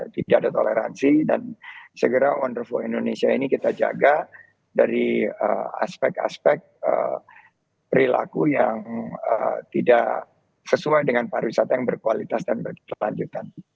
tidak ada toleransi dan segera wonderful indonesia ini kita jaga dari aspek aspek perilaku yang tidak sesuai dengan pariwisata yang berkualitas dan berkelanjutan